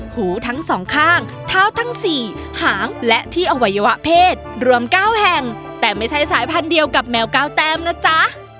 หูทั้งสองข้างเท้าทั้ง๔หางและที่อวัยวะเพศรวม๙แห่งแต่ไม่ใช่สายพันธุ์เดียวกับแมว๙แต้มนะจ๊ะ